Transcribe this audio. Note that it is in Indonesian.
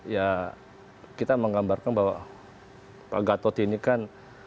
ya kita menggambarkan bahwa pak gatot ini kan